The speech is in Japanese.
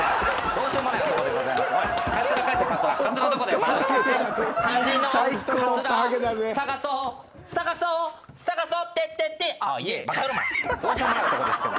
どうしようもない男ですけど。